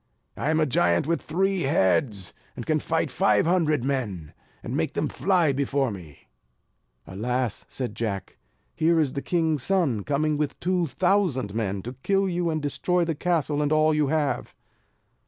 I am a giant with three heads; and can fight five hundred men, and make them fly before me." "Alas!" said Jack, "Here is the king's son, coming with two thousand men, to kill you, and to destroy the castle and all that you have."